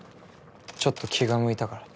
ちょっと気が向いたから。